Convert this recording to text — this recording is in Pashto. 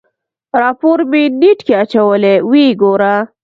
راپور مې نېټ کې اچولی ويې ګوره.